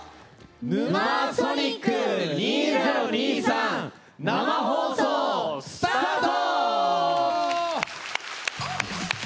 「ヌマーソニック２０２３」生放送、スタート！